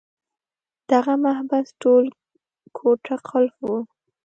دغه محبس ټول کوټه قلف وو.